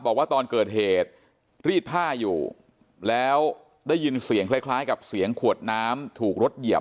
บอกว่าตอนเกิดเหตุรีดผ้าอยู่แล้วได้ยินเสียงคล้ายกับเสียงขวดน้ำถูกรถเหยียบ